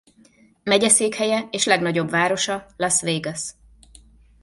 Megyeszékhelye és legnagyobb városa Las Vegas.